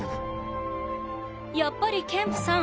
やっぱりケンプさん